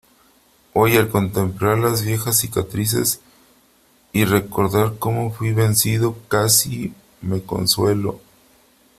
hoy , al contemplar las viejas cicatrices y recordar cómo fuí vencido , casi me consuelo .